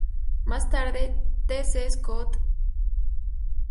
Más tarde, T. C. Scott "et al.